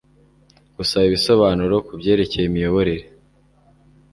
gusaba ibisobanuro ku byerekeye imiyoborere